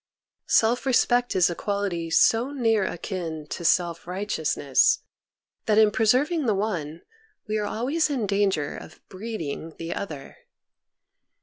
Self respect is a quality so near akin to self righteousness that in preserving the one we are always in danger of breeding the other.